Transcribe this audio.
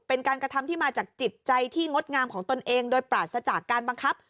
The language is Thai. เป็นการกระทำที่มาจากจิตใจที่งดงามของตนเองโดยปราศจากการบังคับ